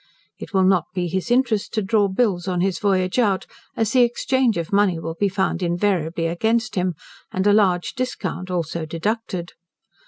It will not be his interest to draw bills on his voyage out, as the exchange of money will be found invariably against him, and a large discount also deducted.